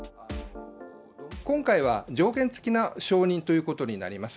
今回は条件つきな承認ということになります。